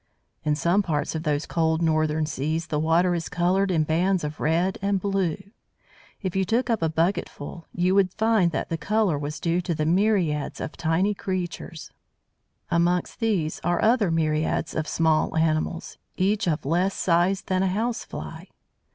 In some parts of those cold northern seas the water is coloured in bands of red and blue. If you took up a bucketful, you would find that the colour was due to myriads of tiny creatures. Amongst these are other myriads of small animals, each of less size than a house fly.